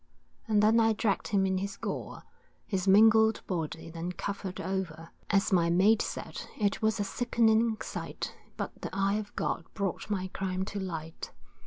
And then I dragg'd him in his gore, His mangled body then covered o'er, As my mate said, it was a sickening sight But the eye of God brought my crime to light.